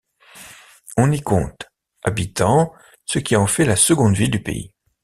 On y compte habitants ce qui en fait la seconde ville du pays.